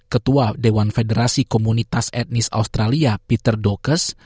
ketua dewan federasi komunitas etnis australia peter dokes